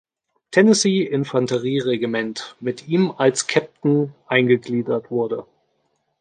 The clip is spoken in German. Tennessee Infanterie-Regiment" mit ihm als Captain eingegliedert wurde.